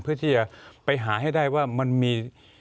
เพื่อที่จะไปหาให้ได้ว่ามันมี